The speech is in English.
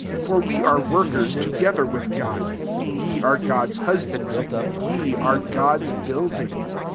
9 For we are workers together with God: ye are God's husbandry, ye art God's building.